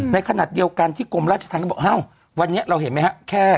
ในขณะเดียวกันที่กรมราชธรรมก็บอกอ้าววันนี้เราเห็นไหมครับ